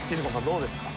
どうですか？